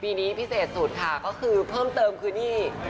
ปีนี้พิเศษสุดค่ะก็คือเพิ่มเติมคือนี่